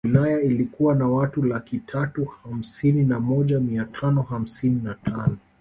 Wilaya ilikuwa na watu laki tatu hamsini na moja mia tano hamsini na tano